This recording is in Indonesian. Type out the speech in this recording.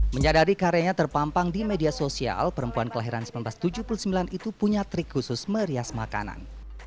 menyadari karyanya terpampang di media sosial perempuan kelahiran seribu sembilan ratus tujuh puluh sembilan itu punya trik khusus merias makanan